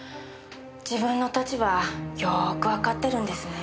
自分の立場よーくわかってるんですね。